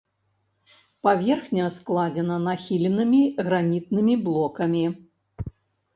Паверхня складзена нахіленымі гранітнымі блокамі.